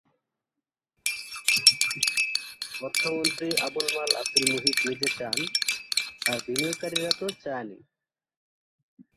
অর্থমন্ত্রী আবুল মাল আবদুল মুহিত নিজে চান, আর বিনিয়োগকারীরা তো চানই।